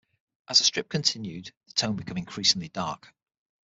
As the strip continued the tone became increasingly dark.